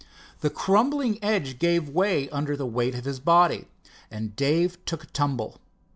The crumbling edge gave way under the weight of his body, and Dave took a tumble.